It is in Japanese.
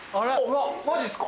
マジっすか？